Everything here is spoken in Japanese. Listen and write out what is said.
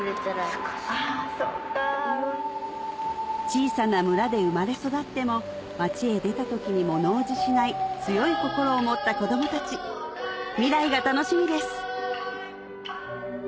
小さな村で生まれ育っても街へ出た時に物おじしない強い心を持った子どもたち未来が楽しみです